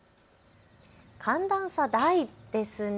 寒暖差、大ですね。